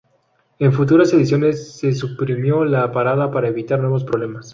En futuras ediciones se suprimió la parada para evitar nuevos problemas.